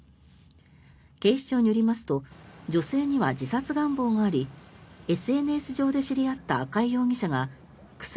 警視庁によりますと女性には自殺願望がありＳＮＳ上で知り合った赤井容疑者が薬